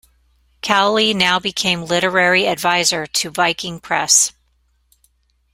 Cowley now became literary adviser to Viking Press.